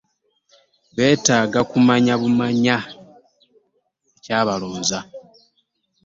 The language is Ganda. Beetaaga kumanya bumanya kyabalonza.